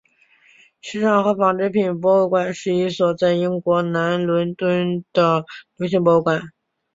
时尚和纺织品博物馆是一所在英国南伦敦的流行博物馆。